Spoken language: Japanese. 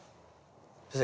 先生